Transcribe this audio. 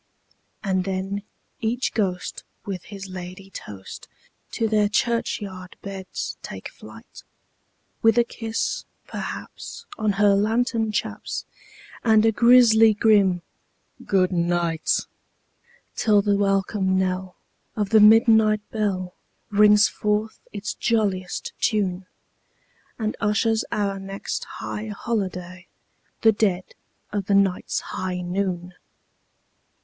And then each ghost with his ladye toast to their churchyard beds take flight, With a kiss, perhaps, on her lantern chaps, and a grisly grim "good night"; Till the welcome knell of the midnight bell rings forth its jolliest tune, And ushers our next high holiday—the dead of the night's high noon!